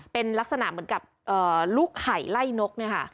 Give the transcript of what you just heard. เป็นลักษณะเหมือนกับลูกไข่ไล่นกเนี่ยค่ะ